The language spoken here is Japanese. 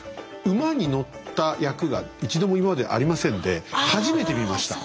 馬に乗った役が一度も今までありませんで初めて見ました。